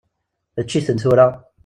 Ečč-iten, tura!